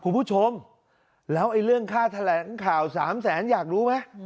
คุณผู้ชมแล้วไอ้เรื่องค่าแถลงข่าวสามแสนอยากรู้ไหม